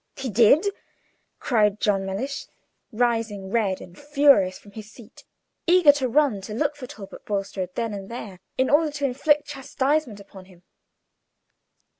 "He did!" cried John Mellish, rising, red and furious, from his seat, eager to run to look for Talbot Bulstrode then and there, in order to inflict chastisement upon him.